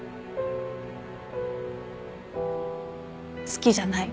好きじゃない。